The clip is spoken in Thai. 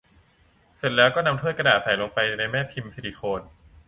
เสร็จแล้วก็นำถ้วยกระดาษใส่ลงไปในแม่พิมพ์ซิลิโคน